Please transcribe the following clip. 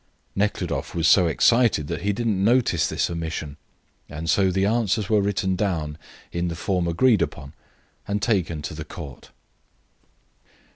Nekhludoff was so excited that he did not notice this omission, and so the answers were written down in the form agreed upon and taken to the court.